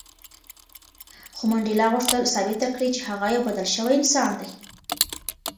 خو منډېلا غوښتل ثابته کړي چې هغه یو بدل شوی انسان دی.